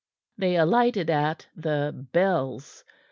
They alighted at the "Bells."